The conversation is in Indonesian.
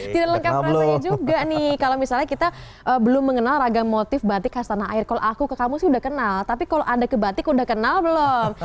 tidak lengkap rasanya juga nih kalau misalnya kita belum mengenal ragam motif batik khas tanah air kalau aku ke kamu sih udah kenal tapi kalau anda ke batik udah kenal belum